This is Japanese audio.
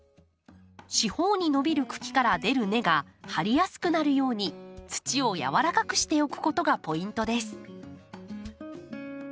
四方に伸びる茎から出る根が張りやすくなるように土を軟らかくしておくことがポイントです。